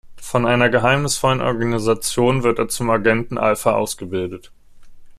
Von einer geheimnisvollen Organisation wird er zum "Agenten Alpha" ausgebildet.